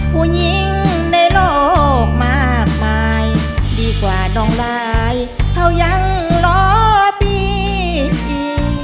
ผู้หญิงในโลกมากมายดีกว่าน้องลายเขายังรอพี่อี